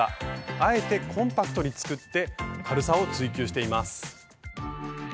あえてコンパクトに作って軽さを追求しています。